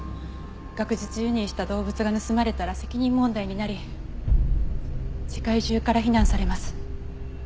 学術輸入した動物が盗まれたら責任問題になり世界中から非難されます。